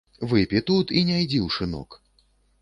Выпі тут і не ідзі ў шынок.